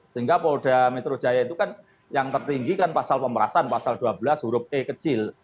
sehingga polda metro jaya itu kan yang tertinggi kan pasal pemerasan pasal dua belas huruf e kecil